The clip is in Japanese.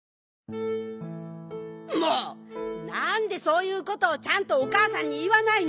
もうなんでそういうことをちゃんとおかあさんにいわないの？